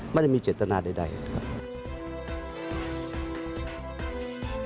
ไม่ได้มีเจตนาใดนะครับ